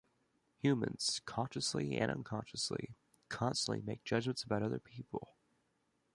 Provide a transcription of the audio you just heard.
Humans - consciously and unconsciously - constantly make judgments about other people.